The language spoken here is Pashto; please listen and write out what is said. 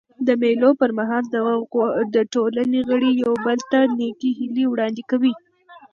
د مېلو پر مهال د ټولني غړي یو بل ته نېکي هیلي وړاندي کوي.